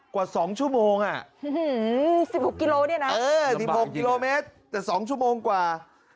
กว่า๒ชั่วโมงอ่ะ๑๖กิโลเมตรแต่๒ชั่วโมงกว่า